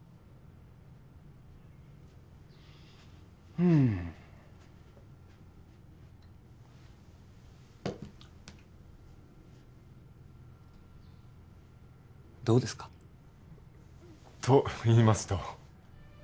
ふむどうですか？と言いますと？